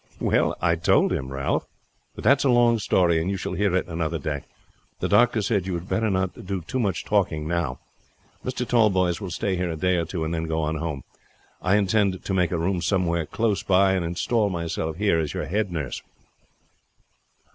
"Well, I told him, Ralph. But that is a long story, and you shall hear it another day. The doctor said you had better not do much talking now. Mr. Tallboys will stay here a day or two and then go home. I intend to take a room somewhere close by and install myself here as your head nurse."